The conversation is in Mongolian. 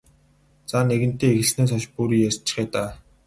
За нэгэнтээ эхэлснээс хойш бүр ярьчихъя даа.